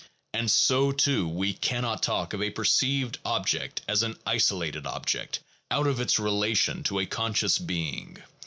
And so too we cannot talk of a perceived object as an isolated object, out of its relation to a conscious being.